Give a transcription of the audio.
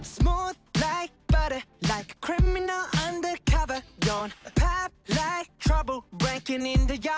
sebuah pagar membatas jembatan suramadu di bobol warga